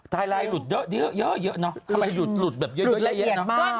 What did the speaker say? ไลน์หลุดเยอะเยอะเนอะทำไมหลุดแบบเยอะแยะเนอะ